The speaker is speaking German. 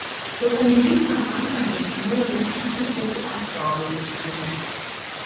Durch ein Gewicht am Anfang der Schnur wird diese über die Astgabel gezogen.